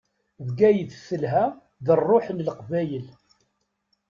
Bgayet telha, d ṛṛuḥ n leqbayel.